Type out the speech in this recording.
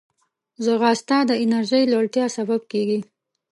ځغاسته د انرژۍ لوړتیا سبب کېږي